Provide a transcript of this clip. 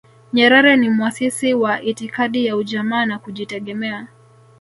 nyerere ni mwasisi wa itikadi ya ujamaa na kujitegemea